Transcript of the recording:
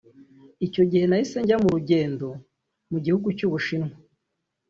Icyo gihe nahise njya mu rugendo mu gihugu cy’u Bushinwa